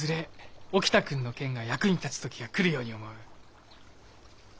沖田君の剣が役に立つ時がくるように思う。